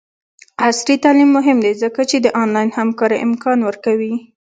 عصري تعلیم مهم دی ځکه چې د آنلاین همکارۍ امکان ورکوي.